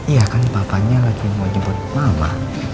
iya kan bapaknya lagi mau jemput mama